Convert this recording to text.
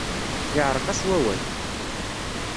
Yeɛreq-as wawal.